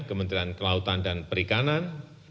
kementerian kelautan dan perikanan